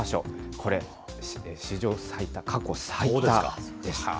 これ、史上最多、過去最多です。